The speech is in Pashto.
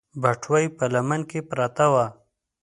بټوه يې په لمن کې پرته وه.